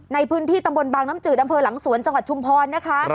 ในพื้นที่ตำบลบางน้ำจืดอำเภอหลังสวนจังหวัดชุมพรนะคะ